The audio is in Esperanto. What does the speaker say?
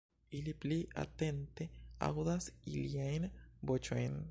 Ili pli atente aŭdas iliajn voĉojn.